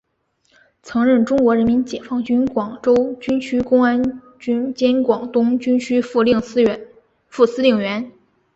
曾任中国人民解放军广州军区公安军兼广东军区副司令员。